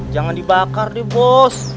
jangan dibakar bos